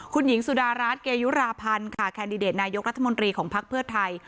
คุณหญิงสุดารัฐเกยุราพันธ์ค่ะแคนดิเดตนายกรัฐมนตรีของภักดิ์เพื่อไทย